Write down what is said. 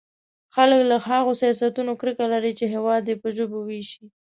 خلک له هغو سیاستونو کرکه لري چې هېواد يې په ژبو وېشي.